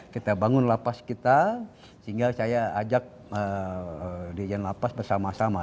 kita bangun lapas kita sehingga saya ajak dirjen lapas bersama sama